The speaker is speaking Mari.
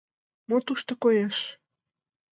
— «Мо тушто коеш?».